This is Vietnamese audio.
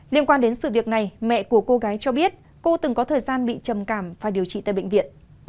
liên quan đến sự việc này mẹ của cô gái cho biết cô từng có thời gian bị trầm cảm phải điều trị tại bệnh viện